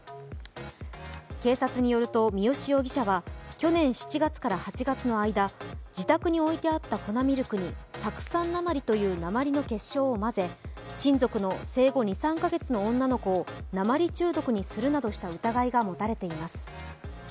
警察によると三好容疑者は去年７月から８月の間、自宅に置いてあった粉ミルクに酢酸鉛という鉛の結晶を混ぜ、親族の、生後２３か月の女の子を鉛中毒にするなどしたうたがいが持たれています。